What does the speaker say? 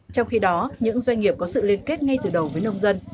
trong khi đó những doanh nghiệp có sự liên kết ngay từ đầu với nông dân